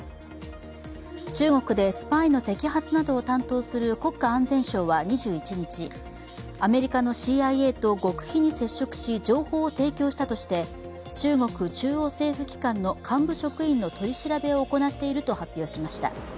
中国でスパイの摘発などを担当する国家安全省は２１日アメリカのＣＩＡと極秘に接触し情報を提供したとして中国中央政府機関の幹部職員の取り調べを行っていると発表しました。